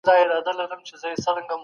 حکومت نظامي اډه نه جوړوي.